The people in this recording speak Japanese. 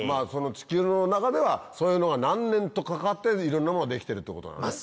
地球の中ではそういうのが何年とかかっていろんなものが出来てるってことなのね。